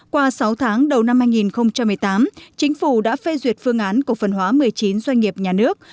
qua sáu tháng đầu năm hai nghìn một mươi tám chính phủ đã phê duyệt phương án cộng phần hóa một mươi chín doanh nghiệp nhà nước